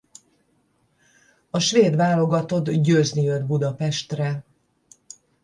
A svéd válogatott győzni jött Budapestre.